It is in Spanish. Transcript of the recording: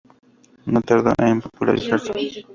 No tardó en popularizarse.